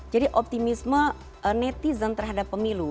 jadi optimisme netizen terhadap pemilu